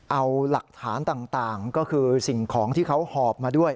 เอาหลักฐานต่างก็คือสิ่งของที่เขาหอบมาด้วย